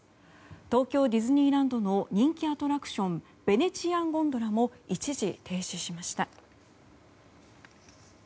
東京ディズニーランドの人気アトラクションヴェネツィアン・ゴンドラも一時停止しました。